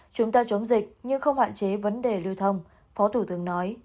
chúng ta chống dịch nhưng không hạn chế vấn đề lưu thông phó thủ tướng nói